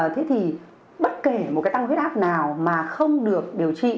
thế thì bất kể một cái tăng huyết áp nào mà không được điều trị